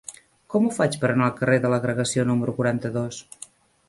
Com ho faig per anar al carrer de l'Agregació número quaranta-dos?